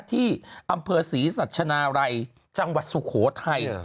ที่อำเภอศรีสัชนาลัยจังหวัดสุโขทัย